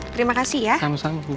terima kasih ya sama sama bu